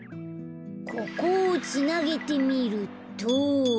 ここをつなげてみると。